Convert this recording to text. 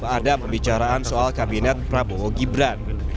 ada pembicaraan soal kabinet prabowo gibran